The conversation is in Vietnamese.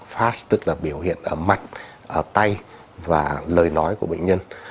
fast tức là biểu hiện ở mặt tay và lời nói của bệnh nhân